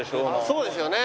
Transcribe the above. そうですよね。